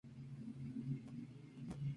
Le Duc Anh nació en la provincia de Quảng Nam.